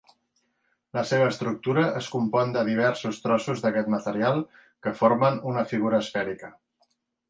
La seva estructura es compon de diversos trossos d'aquest material que formen una figura esfèrica.